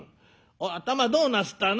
「頭どうなすったの？」。